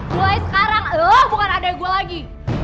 gue sekarang bukan adek gue lagi